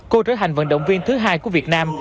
cô trở thành vận động viên thứ hai của việt nam